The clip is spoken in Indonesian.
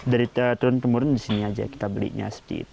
dari turun kemurunan di sini saja kita belinya